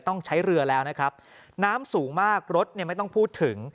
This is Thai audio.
ต้องใช้เรือแล้วนะครับน้ำสูงมากรถเนี่ยไม่ต้องพูดถึง